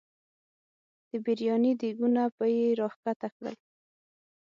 د بریاني دیګونه به یې را ښکته کړل.